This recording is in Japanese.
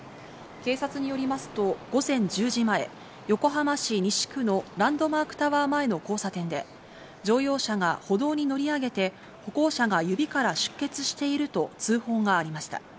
警察によりますと午前１０時前、横浜市西区のランドマークタワー前の交差点で、乗用車が歩道に乗り上げて、歩行者が指から出血していると通報がありました。